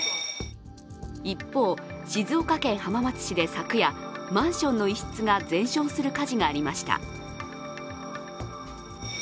一方、静岡県浜松市で昨夜、マンションの一室が全焼する火事がありました。